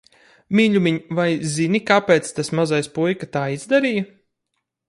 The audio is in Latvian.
Mīļumiņ, vai zini, kāpēc tas mazais puika tā izdarīja?